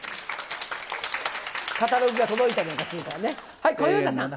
カタログが届いたりなんかするからね。